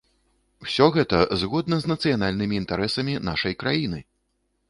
Усё гэта згодна з нацыянальнымі інтарэсамі нашай краіны!